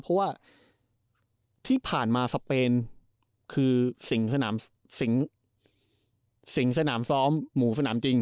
เพราะว่าที่ผ่านมาสเปนคือสิ่งสนามซ้อมหมูสนามจริง